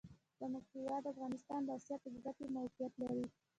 زموږ هېواد افغانستان د آسیا په زړه کي موقیعت لري.